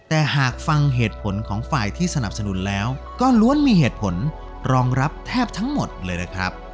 แต่หากฟังเหตุผลของฝ่ายที่สนับสนุนแล้วก็ล้วนมีเหตุผลรองรับแทบทั้งหมดเลยนะครับ